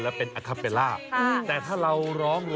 เชื่อสายรับแผนนี้